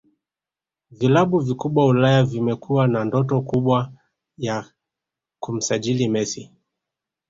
Vilabu vikubwa Ulaya vimekuwa na ndoto kubwa ya kumsajili Messi